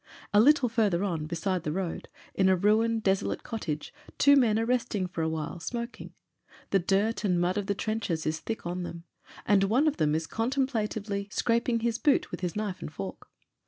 A little farther on, beside the road, in a ruined, deso late cottage two men are resting for a while, smoking. The dirt and mud of the trenches is thick on them, and one of them is contemplatively scraping his boot with his knife and fork.